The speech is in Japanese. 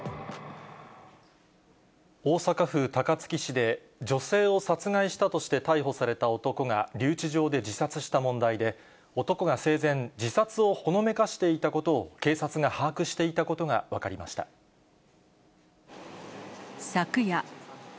大阪府高槻市で、女性を殺害したとして逮捕された男が留置場で自殺した問題で、男が生前、自殺をほのめかしていたことを、警察が把握していたこ昨夜。